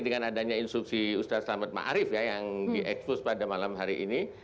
dengan adanya instruksi ustadz selamat ma'arif ya yang di expose pada malam hari ini